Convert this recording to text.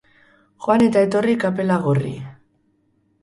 Joan eta etorri kapela gorri.